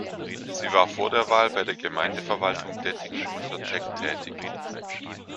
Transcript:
Sie war vor der Wahl bei der Gemeindeverwaltung Dettingen unter Teck tätig.